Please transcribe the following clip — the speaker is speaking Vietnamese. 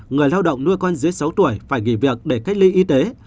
người lao động nuôi con dưới sáu tuổi phải nghỉ việc để cách ly y tế